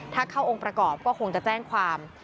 ถ้าเข้าองค์ประกอบก็คงจะแจ้งความ